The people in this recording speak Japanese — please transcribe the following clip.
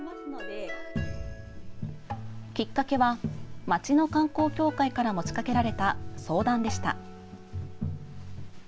きっかけは、町の観光協会から持ちかけられた相談でした。